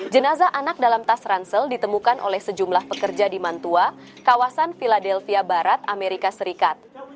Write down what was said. jenazah anak dalam tas ransel ditemukan oleh sejumlah pekerja di mantua kawasan philadelphia barat amerika serikat